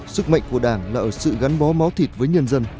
sức mạnh của đảng là ở sự gắn bó máu thịt với nhân dân